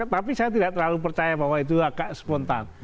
tapi saya tidak terlalu percaya bahwa itu agak spontan